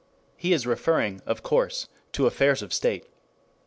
He is referring, of course, to affairs of state.